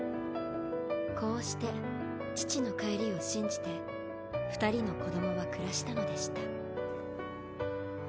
「こうして父の帰りを信じて二人の子供は暮らしたのでした」。